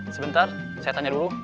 sebentar saya tanya dulu